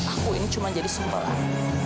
aku ini cuma jadi sumpel ail